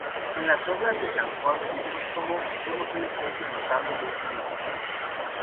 En las obras de San Juan Crisóstomo vemos un ejemplo notable de esto mismo.